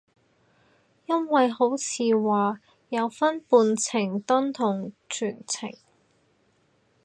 因為好似話有分半程蹲同全程